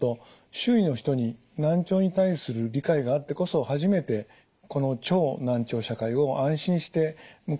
周囲の人に難聴に対する理解があってこそ初めてこの超難聴社会を安心して迎えられるのではないかと思います。